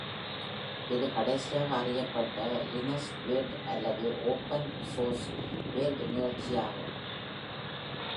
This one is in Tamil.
இது கடைசியாக அறியப்பட்ட லினக்ஸ்வேர்ல்டு அல்லது ஓப்பன் சோர்ஸ் வேர்ல்டு நிகழ்ச்சி ஆகும்.